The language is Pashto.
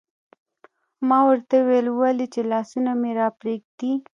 ما ورته وویل: ولې؟ چې لاسونه مې راپرېږدي.